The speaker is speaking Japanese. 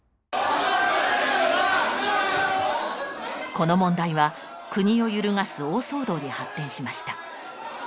この問題は国をゆるがす大騒動に発展しました。